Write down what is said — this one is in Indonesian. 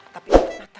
tapi ngerti mata